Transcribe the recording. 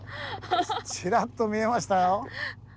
チラッと見えましたよ。